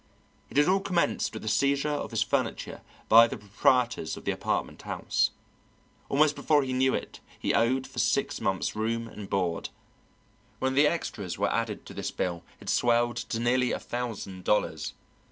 It had all commenced with the seizure of his furniture by the proprietors of the apartment house. Almost before he knew it he owed for six months' room and board; when the extras were added to this bill it swelled to nearly a thousand dollars.